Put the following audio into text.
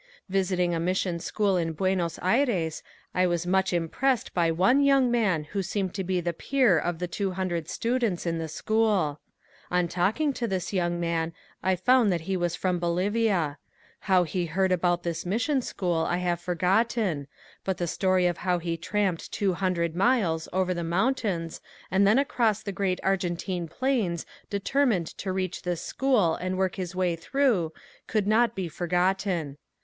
Visiting a mission school in Buenos Aires I was much impressed by one young man who seemed to be the peer of the two hundred students in the school. On talking to this young man I found that he was from Bolivia. How he heard about this mission school I have forgotten, but the story of how he tramped two hundred miles over the mountains and then across the great Argentine plains determined to reach this school and work his way through, could not be forgotten.